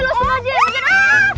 lo semua jangan segera